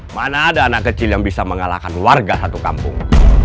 mana ada anak kecil yang bisa mengalahkan warga satu kampung